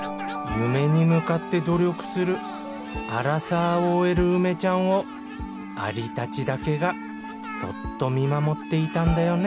夢に向かって努力するアラサーＯＬ梅ちゃんをアリたちだけがそっと見守っていたんだよね